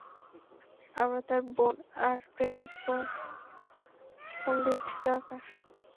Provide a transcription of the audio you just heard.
আমরা তার বোন আর প্রেমিকপর ফোন লিস্ট দরকার।